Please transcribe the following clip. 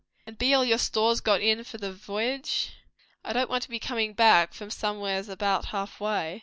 "And be all your stores got in for the v'yage? I don't want to be comin' back from somewheres about half way."